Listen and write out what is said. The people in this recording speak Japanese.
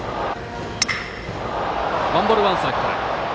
ワンボール、ワンストライクから。